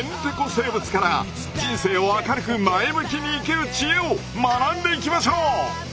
生物から人生を明るく前向きに生きる知恵を学んでいきましょう！